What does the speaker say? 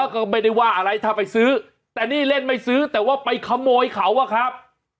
ก็ไม่ได้ว่าอะไรถ้าไปซื้อแต่นี่เล่นไม่ซื้อแต่ว่าไปขโมยเขาอะครับ